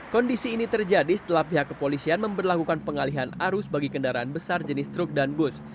kondisi ini terjadi setelah pihak kepolisian memperlakukan pengalihan arus bagi kendaraan besar jenis truk dan bus